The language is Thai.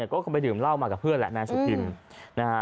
ก็ไปดื่มเหล้ามากับเพื่อนแหละแมนสุพิมพ์